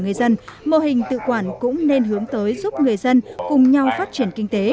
người dân mô hình tự quản cũng nên hướng tới giúp người dân cùng nhau phát triển kinh tế